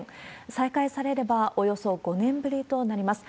再開されれば、およそ５年ぶりとなります。